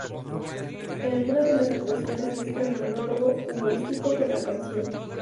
En algunas de sus actuaciones mezcla el monólogo humorístico con la canción.